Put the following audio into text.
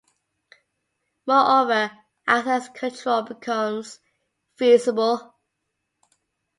Moreover, access control becomes feasible.